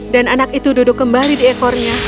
dan anak itu duduk kembali di ekornya